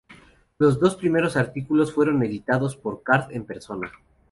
Los dos primeros artículos fueron editados por Card en persona.